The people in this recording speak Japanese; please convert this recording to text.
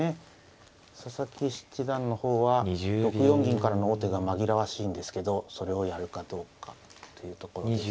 佐々木七段の方は６四銀からの王手が紛らわしいんですけどそれをやるかどうかというところです。